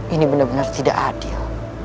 ini bener bener tidak adil